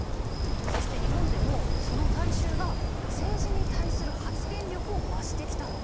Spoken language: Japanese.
そして日本でもその大衆が政治に対する発言力を増してきたの。